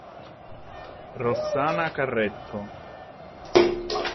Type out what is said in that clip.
Rossana Carretto